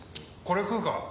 これ食うか？